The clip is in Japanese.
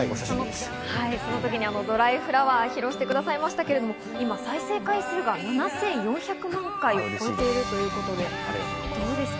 その時に『ドライフラワー』を披露してくださいましたけど今、再生回数が７４００万回を超えているということで、どうですか？